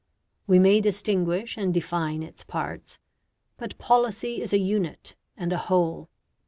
We may distinguish and define its parts; but policy is a unit and a whole.